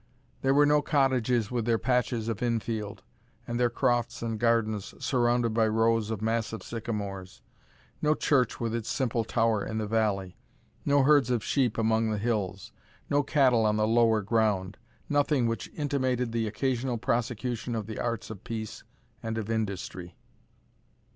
There were no cottages with their patches of infield, and their crofts and gardens, surrounded by rows of massive sycamores; no church with its simple tower in the valley; no herds of sheep among the hills; no cattle on the lower ground; nothing which intimated the occasional prosecution of the arts of peace and of industry.